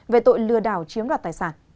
về tội lừa đảo chiếm đoạt tài sản